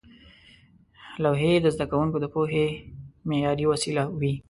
لوحې د زده کوونکو د پوهې معیاري وسیله وې.